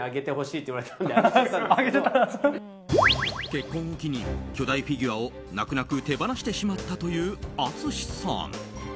結婚を機に、巨大フィギュアを泣く泣く手放してしまったという淳さん。